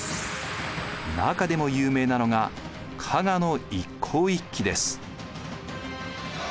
中でも有名なのが加賀の一向一揆です。